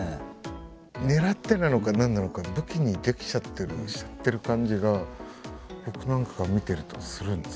狙ってなのか何なのか武器にできちゃってるしちゃってる感じが僕なんかが見てるとするんですけどね。